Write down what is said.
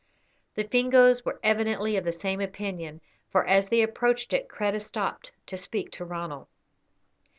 The Fingoes were evidently of the same opinion, for as they approached it Kreta stopped to speak to Ronald.